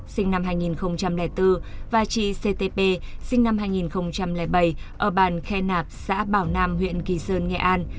sinh năm hai nghìn bốn và chị ctp sinh năm hai nghìn bảy ở bàn khe nạp xã bảo nam huyện kỳ sơn nghệ an